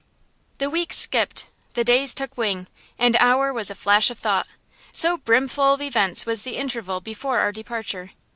The weeks skipped, the days took wing, an hour was a flash of thought; so brimful of events was the interval before our departure.